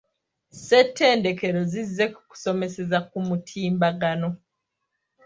Ssettendekero zizze ku kusomeseza ku mutimbagano.